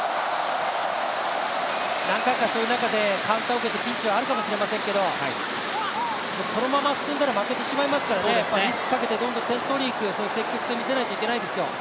何回かそういう中でカウンターを受けてピンチがあるかもしれませんけれども、このまま進んだら負けてしまいますからね、リスクかけてどんどん点を取りにいくそういう積極性を見せていくしかないですよ。